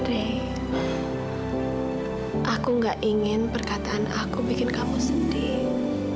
aku gak ingin perkataan aku bikin kamu sedih